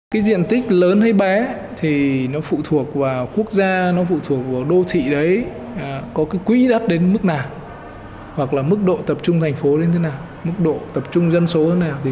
cái diện tích lớn hay bé thì nó phụ thuộc vào quốc gia nó phụ thuộc vào đô thị đấy có cái quỹ đất đến mức nào hoặc là mức độ tập trung thành phố như thế nào mức độ tập trung dân số thế nào